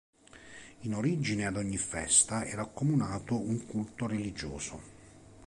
In origine ad ogni festa era accomunato un culto religioso.